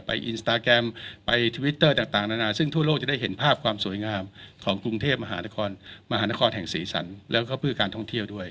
อินสตาแกรมไปทวิตเตอร์ต่างนานาซึ่งทั่วโลกจะได้เห็นภาพความสวยงามของกรุงเทพมหานครมหานครแห่งสีสันแล้วก็เพื่อการท่องเที่ยวด้วย